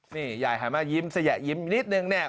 นี่ยายหันมายิ้มสยะยิ้มนิดนึงเนี่ย